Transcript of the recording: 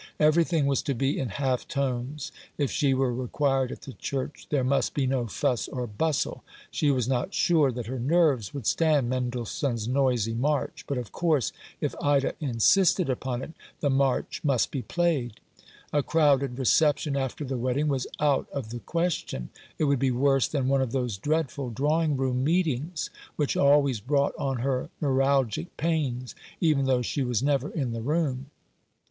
Everything was to be in half tones. If she were required at the church, there must be no fuss or bustle. She was not sure that her nerves would stand Mendelssohn's noisy march ; but, of course, if Ida insisted upon it, the march must be played. A crowded reception after the wedding was out of the question. It would be worse than one of those dreadful drawing room meetings, which always brought on her neuralgic pains, even though she was never in the room.